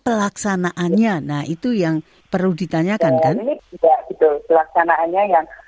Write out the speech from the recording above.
puluhan pun kalau ibu yang tidak mau ya kita akan ulang ulang lagi